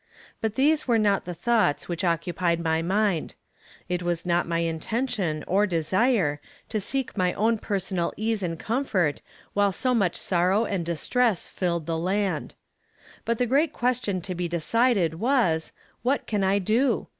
But these were not the thoughts which occupied my mind. It was not my intention, or desire, to seek my own personal ease and comfort while so much sorrow and distress filled the land. But the great question to be decided, was, what can I do?